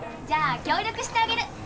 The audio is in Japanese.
じゃあ協力してあげる。